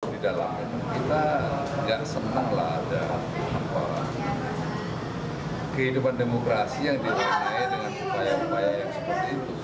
di dalamnya kita jangan senang lah dengan kehidupan demokrasi yang diperoleh dengan upaya upaya yang seperti itu